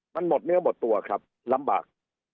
มันหมดเนื้อหมดตัวครับลำบาก